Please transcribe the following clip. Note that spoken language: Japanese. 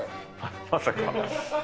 まさか。